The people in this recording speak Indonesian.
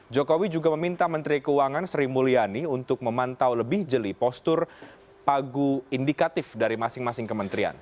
jokowi juga meminta menteri keuangan sri mulyani untuk memantau lebih jeli postur pagu indikatif dari masing masing kementerian